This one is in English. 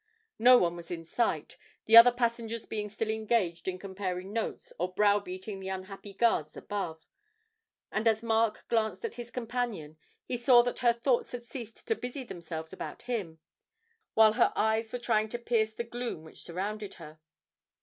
No one was in sight, the other passengers being still engaged in comparing notes or browbeating the unhappy guards above; and as Mark glanced at his companion he saw that her thoughts had ceased to busy themselves about him, while her eyes were trying to pierce the gloom which surrounded her.